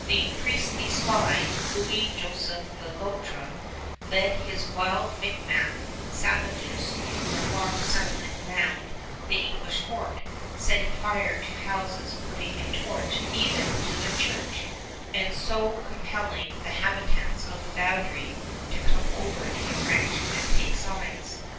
The priestly spy, Louis Joseph Le Loutre, leads his wild Micmac savages through the farm settlement round the English fort, setting fire to houses putting a torch even to the church, and so compelling the habitants of the boundary to come over to the French and take sides.